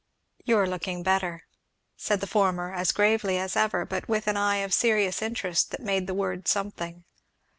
"You are looking better," said the former, as gravely as ever, but with an eye of serious interest that made the word something.